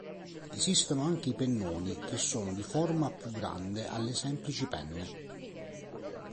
Esistono anche i "pennoni" che sono di forma più grande alle semplici penne.